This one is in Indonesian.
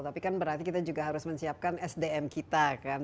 tapi kan berarti kita juga harus menyiapkan sdm kita kan